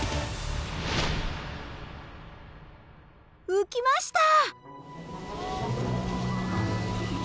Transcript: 浮きました！